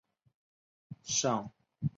上杉显房是室町时代武将和守护大名。